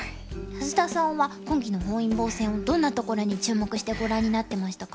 安田さんは今期の本因坊戦をどんなところに注目してご覧になってましたか？